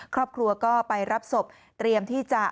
ครอบครัวก็ไปรับศพเตรียมที่จะ